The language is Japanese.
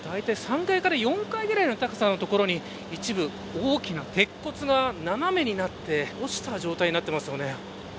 だいたい３階から４階ぐらいの所に一部、大きな鉄骨が斜めになって落ちた状態になっていますよね。